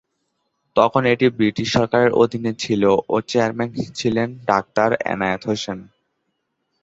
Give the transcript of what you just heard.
তখন এটি ব্রিটিশ সরকারের অধীনে ছিল ও চেয়ারম্যান ছিলেন ডাক্তার এনায়েত হোসেন।